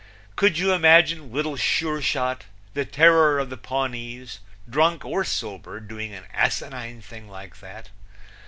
Could you imagine Little Sure Shot, the Terror of the Pawnees, drunk or sober, doing an asinine thing like that?